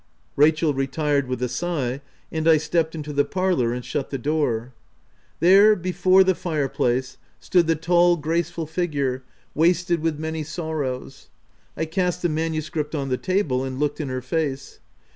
Rachel retired with a sigh, and I stepped into the parlour and shut the door. There, be fore the fire place, stood the tall, graceful figure wasted with many sorrows* I cast the manu script on the table, and looked in her face.